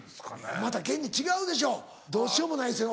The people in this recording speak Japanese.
また現に違うでしょどうしようもないですよね